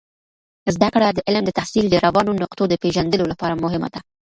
زده کړه د علم د تحصیل د روانو نقطو د پیژندلو لپاره مهمه ده.